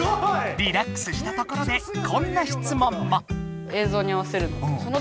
リラックスしたところでこんなしつもんも！